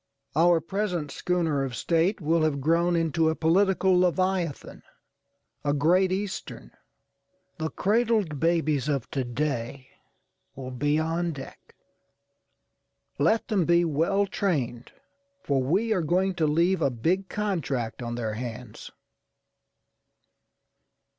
Our present schooner of State will have grown into a political leviathanâ€"a Great Eastern. The cradled babies of to day will be on deck. Let them be well trained, for we are going to leave a big contract on their hands.